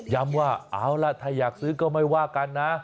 ว่าเอาล่ะถ้าอยากซื้อก็ไม่ว่ากันนะ